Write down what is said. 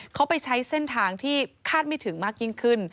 เขาไปใช้เส้นทางที่คาดไม่ถึงมากยิ่งขึ้น